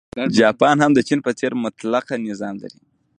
جاپان هم د چین په څېر مطلقه نظام درلود.